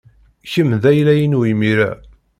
Kemm d ayla-inu imir-a.